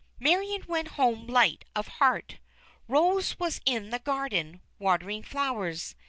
Marion went home light of heart. Rose was in the garden, watering flowers.